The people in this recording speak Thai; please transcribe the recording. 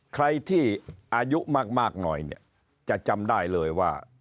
ใครที่อายุมากหน่อยเนี่ยจะจำได้เลยว่า